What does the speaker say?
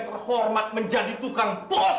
terhormat menjadi tukang pos